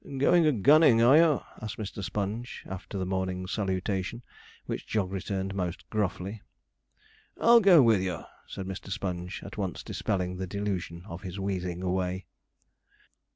'Going a gunning, are you?' asked Mr. Sponge, after the morning salutation, which Jog returned most gruffly. 'I'll go with you,' said Mr. Sponge, at once dispelling the delusion of his wheezing away.